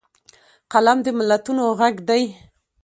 قلم د ملتونو غږ دی